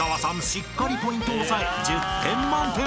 しっかりポイントを押さえ１０点満点］